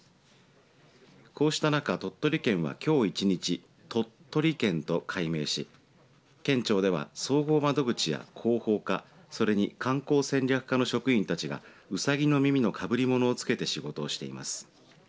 こうした中、鳥取県はきょう１日兎取県と改名し県庁では総合窓口や広報課それに観光戦略課の職員たちがうさぎの耳のかぶり物をつけて仕事をしています。